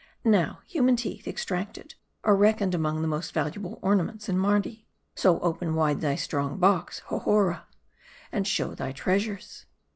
Now human teeth, extracted, are reckoned among the most valuable ornaments in Mardi. So open, wide thy strong box, Hohora, and s,how thy treasures.